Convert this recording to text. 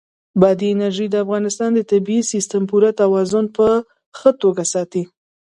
بادي انرژي د افغانستان د طبعي سیسټم پوره توازن په ښه توګه ساتي.